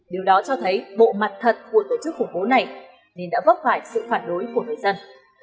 điều đó cho thấy bộ mặt thật của tổ chức khủng bố này nên đã vấp phải sự phản đối của người dân